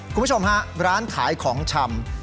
คุณผู้ชมฮะร้านขายของชำ